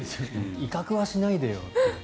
威嚇はしないでよという。